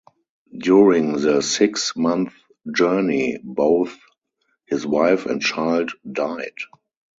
During the six-month journey, both his wife and child died.